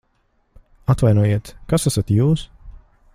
Atvainojiet, kas esat jūs?